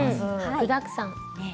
具だくさん。